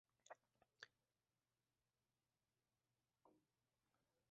O‘zbekiston Prezidenti Quvayt tashqi ishlar vazirini qabul qildi